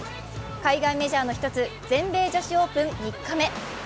海外メジャーの１つ全米女子オープン３日目。